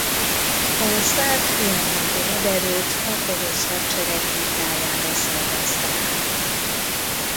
A szárd–piemonti haderőt a porosz hadsereg mintájára szervezte át.